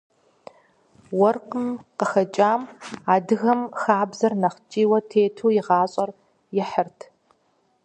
Уэркъым къыхэкӏам адыгэ хабзэм нэхъ ткӏийуэ тету и гъащӏэр ихьырт.